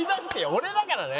俺だからね？